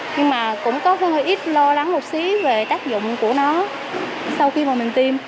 nhưng mà cũng có hơi ít lo lắng một xí về tác dụng của nó sau khi mà mình tiêm